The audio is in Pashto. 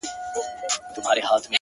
ه ژوند نه و، را تېر سومه له هر خواهیسه ،